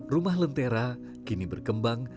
rumah lentera kini berkembang